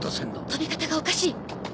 飛び方がおかしい。